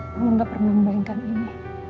mama nggak pernah membayangkan ini